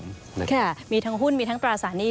ค่ะมีทั้งหุ้นมีทั้งตราสารหนี้